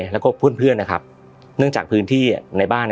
แล้วก็เพื่อนเพื่อนนะครับเนื่องจากพื้นที่อ่ะในบ้านอ่ะ